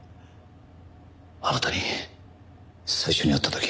あなたに最初に会った時。